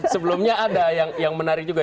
sebelumnya ada yang menarik juga